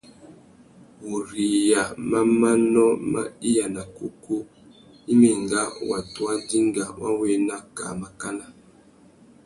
Wuriya má manô mà iya nà kúkú i mà enga watu wa dinga wa wu ena kā màkánà.